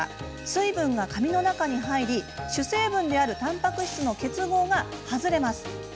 水分が髪の中に入り主成分であるたんぱく質の結合が外れます。